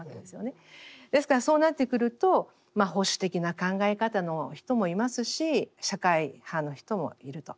ですからそうなってくると保守的な考え方の人もいますし社会派の人もいると。